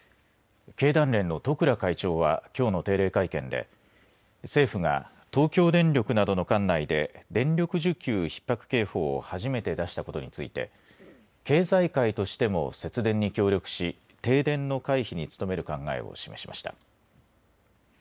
経団連の十倉会長はきょうの定例会見で政府が東京電力などの管内で電力需給ひっ迫警報を初めて出したことについて経済界としても節電に協力し停電の回避に努める考えを示しました。